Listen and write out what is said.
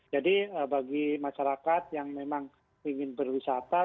jadi bagi masyarakat yang memang ingin berwisata